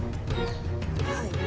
はい。